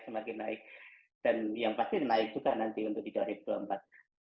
semakin naik dan yang pasti naik juga nanti untuk di dua ribu dua puluh empat